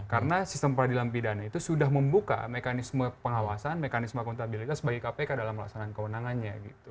karena sistem peradilan pidana itu sudah membuka mekanisme pengawasan mekanisme akuntabilitas sebagai kpk dalam melaksanakan kewenangannya gitu